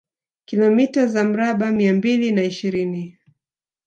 Kilomita za mraba mia mbili na ishirini